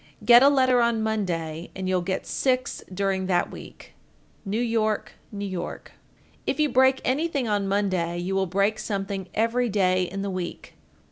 _ 1424. Get a letter on Monday, and you'll get six during that week. New York, N.Y. 1425. If you break anything on Monday, you will break something every day in the week.